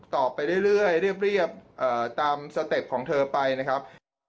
ไปเรื่อยเรียบตามสเต็ปของเธอไปนะครับ